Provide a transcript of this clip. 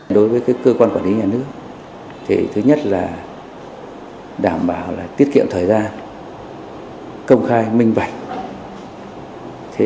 đối với cơ quan quản lý nhà nước thứ nhất là đảm bảo tiết kiệm thời gian công khai minh bạch